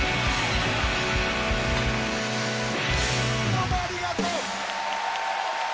どうもありがとう！